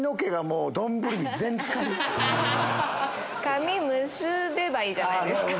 髪結べばいいじゃないですか。